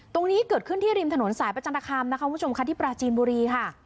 ตรงนี้เกิดขึ้นที่ริมถนนสายประจันตคามนะคะคุณผู้ชมค่ะที่ปราจีนบุรีค่ะ